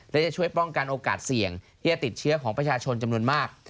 และจะช่วยป้องกันโอกาสเสี่ยงที่จะติดเชื้อของประชาชนจำนวนมาก